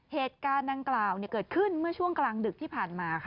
เหตุการณ์ดังกล่าวเกิดขึ้นเมื่อช่วงกลางดึกที่ผ่านมาค่ะ